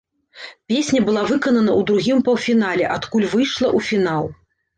Песня была выканана ў другім паўфінале, адкуль выйшла ў фінал.